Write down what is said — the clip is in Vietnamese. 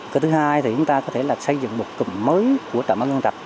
cái thứ hai thì chúng ta có thể xây dựng một cụm mới của trạm án găng trạch